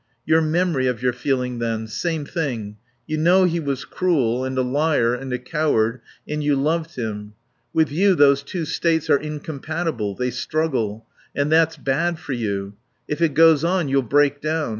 "Your memory of your feeling then. Same thing. You know he was cruel and a liar and a coward. And you loved him. With you those two states are incompatible. They struggle. And that's bad for you. If it goes on you'll break down.